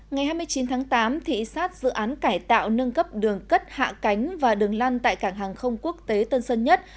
ngày hai mươi chín tháng tám thị sát dự án cải tạo nâng cấp đường cất hạ cánh và đường lăn tại cảng hàng không quốc tế tân sơn nhất